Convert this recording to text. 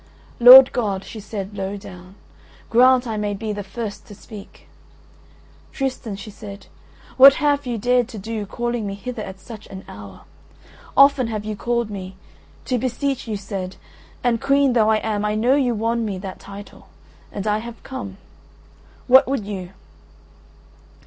"Lord God," she said, low down, grant I may be the first to speak." "Tristan," she said, "what have you dared to do, calling me hither at such an hour? Often have you called me —to beseech, you said. And Queen though I am, I know you won me that title—and I have come. What would you?"